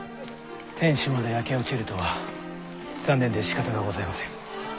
天守まで焼け落ちるとは残念でしかたがございません。